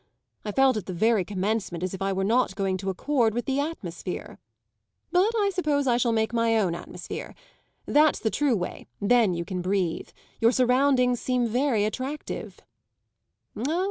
I felt at the very commencement as if I were not going to accord with the atmosphere. But I suppose I shall make my own atmosphere. That's the true way then you can breathe. Your surroundings seem very attractive."